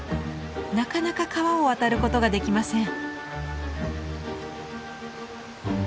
なかなか川を渡ることができません。